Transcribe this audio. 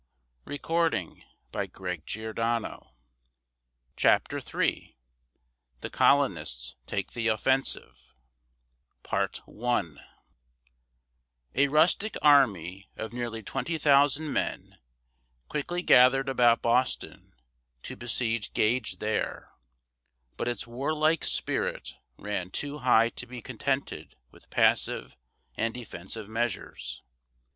Pennsylvania Journal, May 31, 1775. CHAPTER III THE COLONISTS TAKE THE OFFENSIVE A rustic army of nearly twenty thousand men quickly gathered about Boston to besiege Gage there; but its warlike spirit ran too high to be contented with passive and defensive measures.